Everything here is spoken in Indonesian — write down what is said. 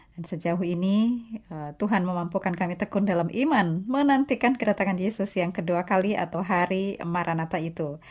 dan sejauh ini tuhan memampukan kami tekun dalam iman menantikan kedatangan yesus yang kedua kali atau hari maranatha itu